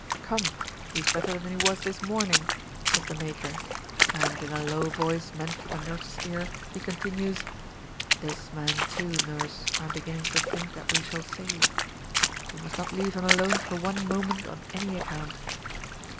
"Come, he is better than he was this morning," says the major, and in a low voice meant for the nurse's ear, he continues, "This man too, nurse, I am beginning to think that we shall save. But you must not leave him alone for one moment on any account."